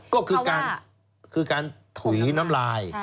ก็คือการถุยน้ำลาย